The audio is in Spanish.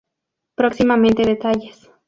Próximamente detalles.